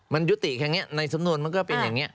มันยุติแค่นี้ในสำนวนมันก็เป็นอย่างนี้